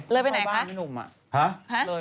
ลึ้วไปไหนคะ